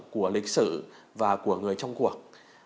của lịch sử và của người trong cuộc